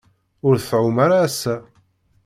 Ur tɛum ara ass-a.